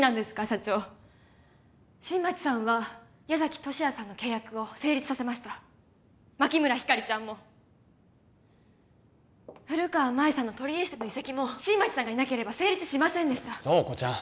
社長新町さんは矢崎十志也さんの契約を成立させました牧村ひかりちゃんも古川舞さんのトリエステの移籍も新町さんがいなければ成立しませんでした塔子ちゃん